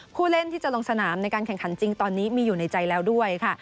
ผู้เล่นที่จะลงสนามในการแข่งขันจริงตอนนี้มีอยู่ในใจแล้วด้วยค่ะ